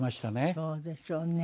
そうでしょうね。